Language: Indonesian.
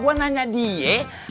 gulung aja bang